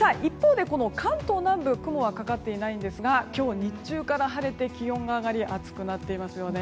一方で、関東南部雲はかかっていないんですが今日日中から晴れて気温が上がり暑くなっていますよね。